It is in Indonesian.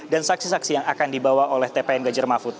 dan saksi saksi yang akan dibawa oleh tpn ganjar mahfud